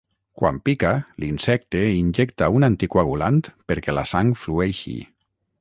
Quan pica, l'insecte injecta un anticoagulant perquè la sang flueixi.